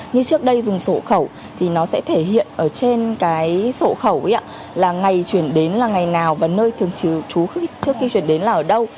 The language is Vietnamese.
như trước đây dùng sổ khẩu thì nó sẽ thể hiện ở trên cái sổ khẩu là ngày chuyển đến là ngày nào và nơi thường trú trước khi chuyển đến là ở đâu